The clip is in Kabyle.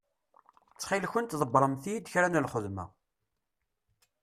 Ttxil-kent ḍebbṛemt-iyi-d kra n lxedma.